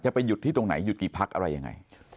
ไปหยุดที่ตรงไหนหยุดกี่พักอะไรยังไง